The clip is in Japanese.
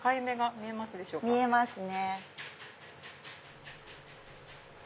見えますね。